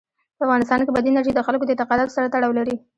په افغانستان کې بادي انرژي د خلکو د اعتقاداتو سره تړاو لري.